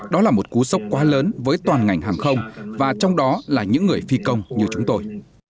đó là một cú sốc quá lớn với toàn ngành hàng không và trong đó là những người phi công như chúng tôi